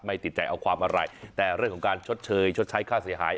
ติดใจเอาความอะไรแต่เรื่องของการชดเชยชดใช้ค่าเสียหาย